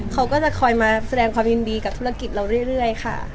เขาก็จะคอยมาแบบแสดงความรู้สึกดีกับเงินเราเรื่อย